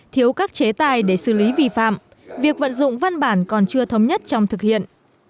thiếu các chế tài để xử lý vi phạm việc vận dụng văn bản còn chưa thống nhất trong thực hiện